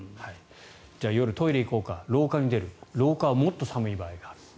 じゃあ夜、トイレに行こうか廊下出る廊下はもっと寒い場合がある。